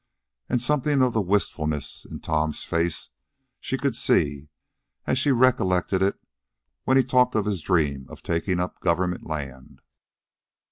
And something of the wistfulness in Tom's face she could see as she recollected it when he talked of his dream of taking up government land.